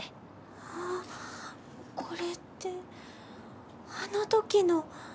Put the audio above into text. あっこれってあのときの。